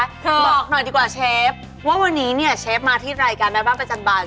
บอกหน่อยดีกว่าเชฟว่าวันนี้เนี่ยเชฟมาที่รายการแม่บ้านประจำบาน